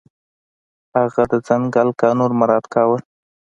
هغه د ځنګل قانون مراعت کاوه.